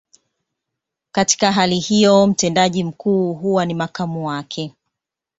Katika hali hiyo, mtendaji mkuu huwa ni makamu wake.